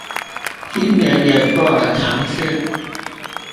今年也做了嘗試